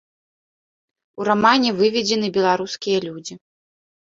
У рамане выведзены беларускія людзі.